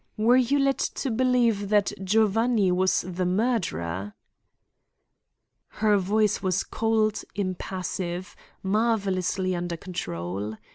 Were you led to believe that Giovanni was the murderer?" Her voice was cold, impassive, marvellously under control.